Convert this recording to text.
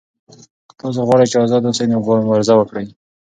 که تاسو غواړئ چې آزاد اوسئ نو مبارزه وکړئ.